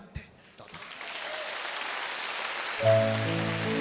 どうぞ。